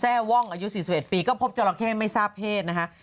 ว่องอายุ๔๑ปีก็พบจราเข้ไม่ทราบเพศนะคะ